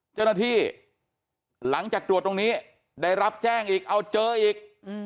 เจ้าหน้าที่หลังจากตรวจตรงนี้ได้รับแจ้งอีกเอาเจออีก